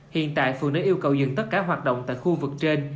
hiện tại phường đã yêu cầu dừng tất cả hoạt động tại khu vực trên